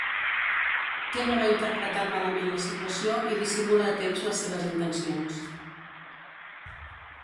Tem haver interpretat malament la situació i dissimula a temps les seves intencions.